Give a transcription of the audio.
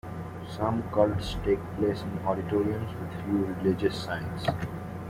Some cults take place in auditoriums with few religious signs.